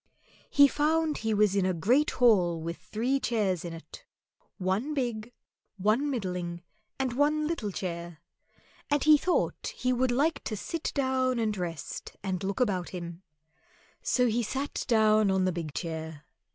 He found he was in a great hall with three chairs in it one big, one middling, and one little chair; and he thought he would like to sit down and rest and look about him; so he sat down on the big chair.